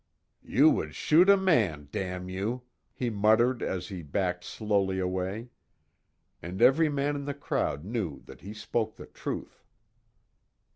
"You would shoot a man, damn you!" he muttered as he backed slowly away. And every man in the crowd knew that he spoke the truth.